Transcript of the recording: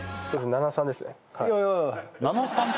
７：３です